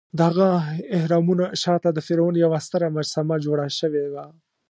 دهغه اهرامونو شاته د فرعون یوه ستره مجسمه جوړه شوې وه.